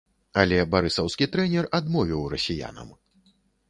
Але барысаўскі трэнер адмовіў расіянам.